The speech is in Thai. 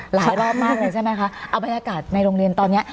รอบมากเลยใช่ไหมคะเอาบรรยากาศในโรงเรียนตอนเนี้ย